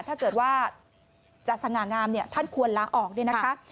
ถ้าเกิดว่าจะสง่างามเนี่ยท่านควรลาออกเนี่ยนะคะ